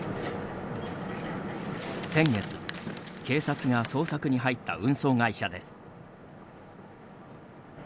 先月、警察が捜索に入った運送会社です。